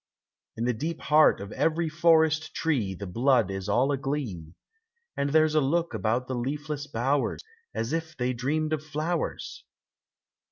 In the deep heart of every forest tree The blood is all aglee, And there 's a look about the leafless bowers As if they dreamed of flowers.